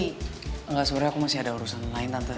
enggak sebenarnya aku masih ada urusan lain tante